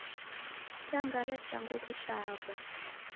Kitang'ara cha nguku chaaghwa